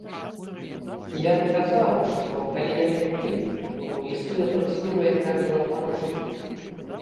Я даказаў, што калі я такі, то існуе працэдура, якая была парушаная.